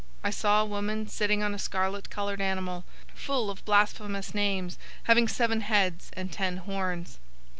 I saw a woman sitting on a scarlet colored animal, full of blasphemous names, having seven heads and ten horns.